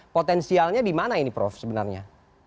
potensialnya di mana ini prof sebenarnya